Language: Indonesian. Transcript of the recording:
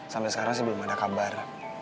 sampai sekarang sih belum ada kabar